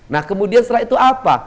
nah kemudian setelah itu apa